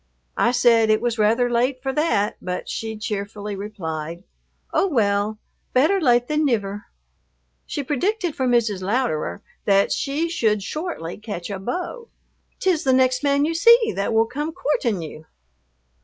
I said it was rather late for that, but she cheerfully replied, "Oh, well, better late than niver." She predicted for Mrs. Louderer that she should shortly catch a beau. "'T is the next man you see that will come coortin' you."